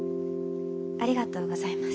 ありがとうございます。